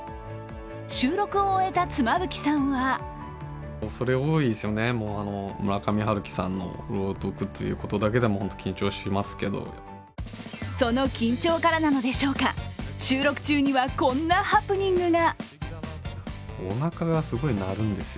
収録を終えた妻夫木さんはその緊張からなのでしょうか収録中にはこんなハプニングが。